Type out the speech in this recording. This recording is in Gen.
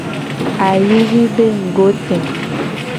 Ayivi be ngugo te.